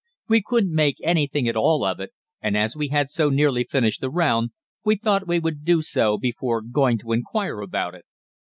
We couldn't make anything at all of it, and as we had so nearly finished the round, we thought we would do so before going to inquire about it.